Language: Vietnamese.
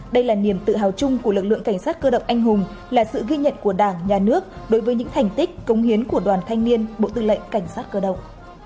đây là niềm tự hào chung của lực lượng cảnh sát cơ động anh hùng là sự ghi nhận của đảng nhà nước đối với những thành tích công hiến của đoàn thanh niên bộ tư lệnh cảnh sát cơ động